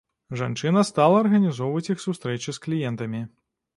Жанчына стала арганізоўваць іх сустрэчы з кліентамі.